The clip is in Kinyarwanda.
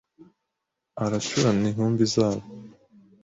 Aracurana inkumbi za bo